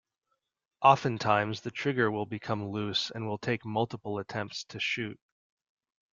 Oftentimes the trigger will become loose and will take multiple attempts to shoot.